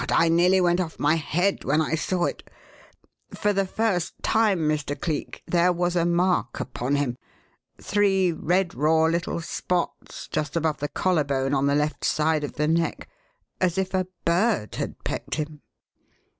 I nearly went off my head when I saw it for the first time, Mr. Cleek, there was a mark upon him three red raw little spots just over the collarbone on the left side of the neck, as if a bird had pecked him."